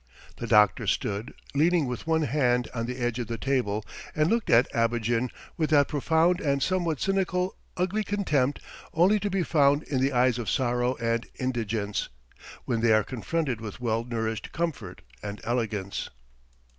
... The doctor stood, leaning with one hand on the edge of the table, and looked at Abogin with that profound and somewhat cynical, ugly contempt only to be found in the eyes of sorrow and indigence when they are confronted with well nourished comfort and elegance.